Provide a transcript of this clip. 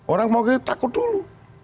orang mungkin takut dulu